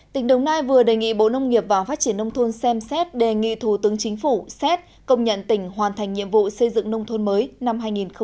tỉnh đồng nai vừa đề nghị bộ nông nghiệp và phát triển nông thôn xem xét đề nghị thủ tướng chính phủ xét công nhận tỉnh hoàn thành nhiệm vụ xây dựng nông thôn mới năm hai nghìn một mươi chín